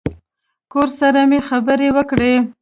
کور سره مې خبرې وکړې.